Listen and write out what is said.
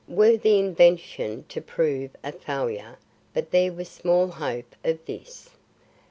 Were the invention to prove a failure but there was small hope of this.